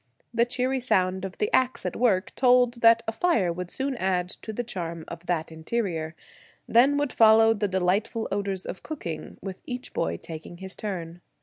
The cheery sound of the ax at work told that a fire would soon add to the charm of that interior. Then would follow the delightful odors of cooking, with each boy taking his turn.